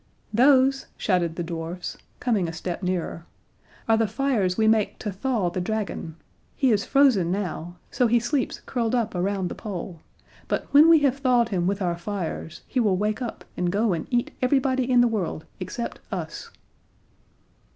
"Those," shouted the dwarfs, coming a step nearer, "are the fires we make to thaw the dragon. He is frozen now so he sleeps curled up around the Pole but when we have thawed him with our fires he will wake up and go and eat everybody in the world except us."